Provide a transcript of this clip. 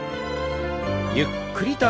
ゆっくりと。